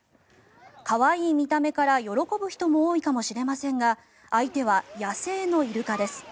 可愛い見た目から喜ぶ人も多いかもしれませんが相手は野生のイルカです。